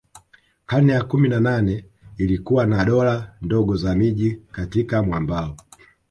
Karne ya kumi na nane ilikuwa na dola ndogo za miji katika mwambao